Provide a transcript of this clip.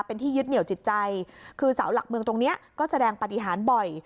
เป็นที่ยึดเหนียวจิตใจคือเสาหลักเมืองตรงนี้ก็แสดงปฏิหารบ่อย